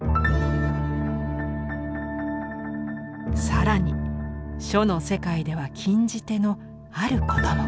更に書の世界では禁じ手のあることも。